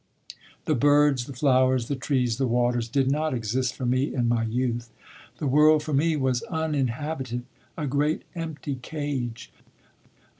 The birds, the flowers, the trees, the waters did not exist for me in my youth. The world for me was uninhabited, a great empty cage.